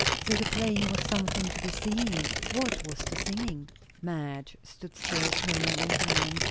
"So the playing was something to be seen. What was the singing?" Madge stood still, comb in hand.